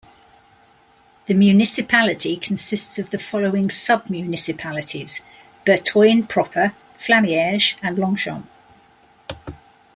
The municipality consists of the following sub-municipalities: Bertogne proper, Flamierge, and Longchamps.